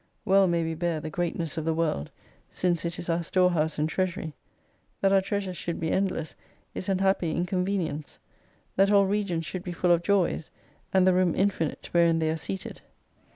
"Well may we bear the greatness of the World, since it is our storehouse and treasury. That our treasures should be endless is an happy incon venience : that all regions should be full of Joys : and the room infinite wherein they are seated.